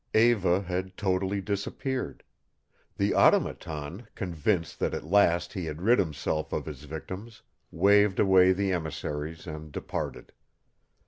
Eva had totally disappeared. The Automaton, convinced that at last he had rid himself of his victims, waved away the emissaries and departed.